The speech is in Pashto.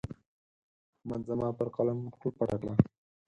احمد زما پر قلم خوله پټه کړه.